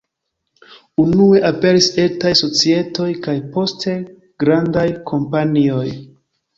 Unue aperis etaj societoj, kaj poste grandaj kompanioj.